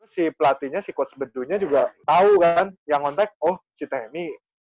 si pelatihnya si coach bedunya juga tau kan yang ngontek oh si temi